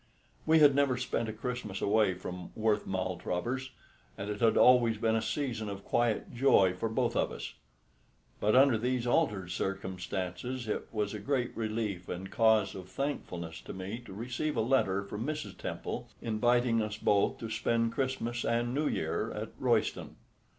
We had never spent a Christmas away from Worth Maltravers, and it had always been a season of quiet joy for both of us. But under these altered circumstances it was a great relief and cause of thankfulness to me to receive a letter from Mrs. Temple inviting us both to spend Christmas and New Year at Royston.